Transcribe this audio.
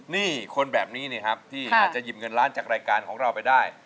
นี่คนแบบนี้นะครับที่อาจจะหยิบเงินล้านจากรายการของเราไปได้